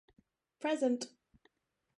Present.